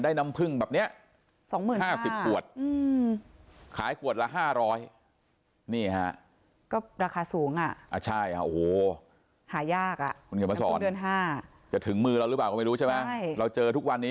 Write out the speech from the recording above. ได้น้ำผึ้งแบบเนี้ย๒๐๐นาทีหัวหรือขายขวดละ๕๐๐